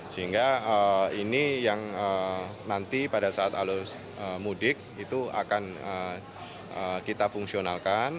sehingga ini yang nanti pada saat alur mudik itu akan kita fungsionalkan